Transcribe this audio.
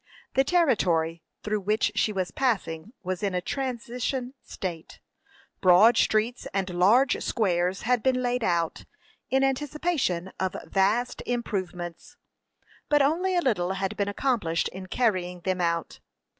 The territory through which she was passing was in a transition state: broad streets and large squares had been laid out, in anticipation of vast improvements, but only a little had been accomplished in carrying them out.